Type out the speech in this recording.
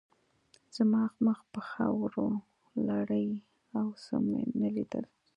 زما مخ په خاورو لړلی و او څه مې نه لیدل